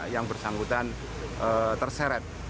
yang bersangkutan terseret